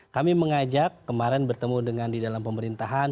kami mengajak kemarin bertemu dengan di dalam pemerintahan